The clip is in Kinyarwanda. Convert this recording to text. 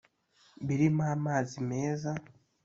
birimo amazi meza